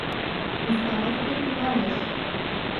— Постановко тӱҥалеш.